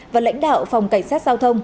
và lãnh đạo phòng cảnh sát giao thông